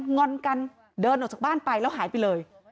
งอนกันเดินออกจากบ้านไปแล้วหายไปเลย